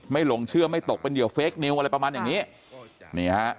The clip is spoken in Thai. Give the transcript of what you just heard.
ไม่หลงเชื่อไม่ตกเป็นเดียวเฟคนิ้วอะไรประมาณอย่างนี้